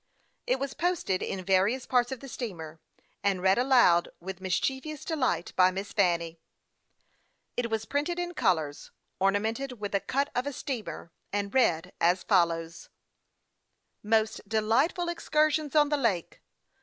It was posted in various parts of the steamer, and read aloud with mischievous delight by Miss Fanny. It was printed in colors, ornamented with a cut of a steamer, and read as follows : 22* 258 HASTE AND WASTE, OK EXCURSIONS ON THE LAKE!